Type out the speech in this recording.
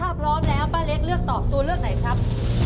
ถ้าพร้อมแล้วป้าเล็กเลือกตอบตัวเลือกไหนครับ